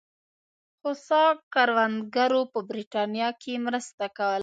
هوسا کروندګرو په برېټانیا کې مرسته کوله.